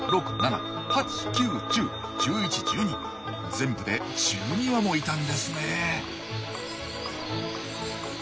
全部で１２羽もいたんですねえ。